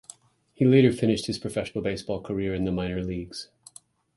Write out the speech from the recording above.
He later finished his professional baseball career in the minor leagues.